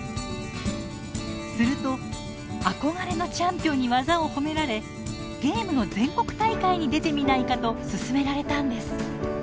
すると憧れのチャンピオンに技を褒められ「ゲームの全国大会に出てみないか」と勧められたんです。